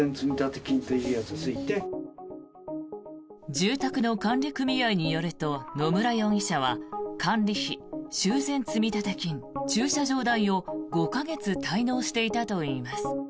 住宅の管理組合によると野村容疑者は管理費、修繕積立金、駐車場代を５か月滞納していたといいます。